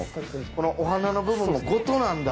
このお花の部分ごとなんだ？